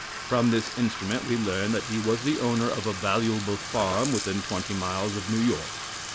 From this instrument we learn that he was the owner of a valuable farm within twenty miles of New York.